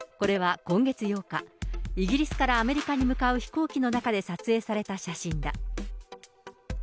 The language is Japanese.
これは今月８日、イギリスからアメリカに向かう飛行機の中で撮影された写真だ。